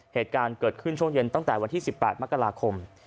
เหตุการณ์เกิดขึ้นช่วงเย็นตั้งแต่วันที่๑๘มกราคม